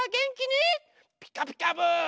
「ピカピカブ！」。